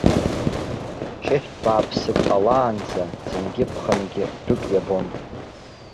Ҷыхь бааԥсык ҟалаанӡа, ӡынгьы-ԥхынгьы дәык иабон.